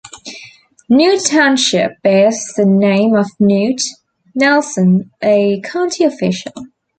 Knute Township bears the name of Knute Nelson, a county official.